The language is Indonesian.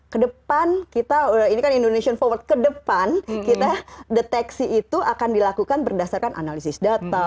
kedepan kita ini kan indonesian forward ke depan kita deteksi itu akan dilakukan berdasarkan analisis data